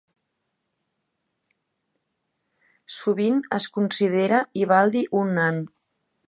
Sovint es considera Ivaldi un nan.